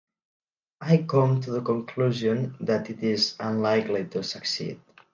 I come to the conclusion that it is unlikely to succeed.